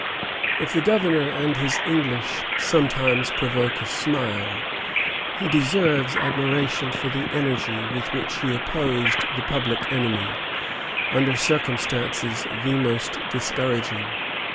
10 May, 1754. If the Governor and his English sometimes provoke a smile, he deserves admiration for the energy with which he opposed the public enemy, under circumstances the most discouraging.